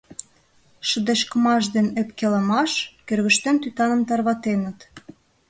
Шыдешкымаш ден ӧпкелымаш кӧргыштем тӱтаным тарватеныт.